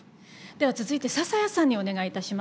では続いて笹谷さんにお願いいたします。